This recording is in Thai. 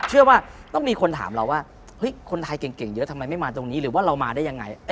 เชื่อว่าต้องมีคนถามเราว่าเฮ้ยคนไทยเก่งเยอะทำไมไม่มาตรงนี้หรือว่าเรามาได้ยังไง